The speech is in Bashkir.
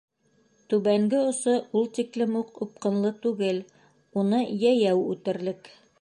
Түбәнге осо ул тиклем үк упҡынлы түгел, уны йәйәү үтерлек.